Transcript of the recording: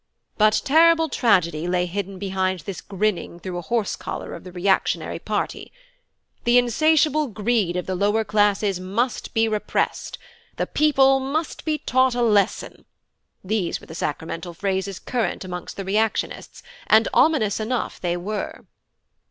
But terrible tragedy lay hidden behind this grinning through a horse collar of the reactionary party. 'The insatiable greed of the lower classes must be repressed' 'The people must be taught a lesson' these were the sacramental phrases current amongst the reactionists, and ominous enough they were."